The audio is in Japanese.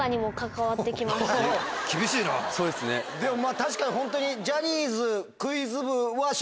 確かにホントに。